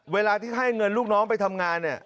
เวลาที่ให้เงินลูกน้องไปทำงานเนี่ย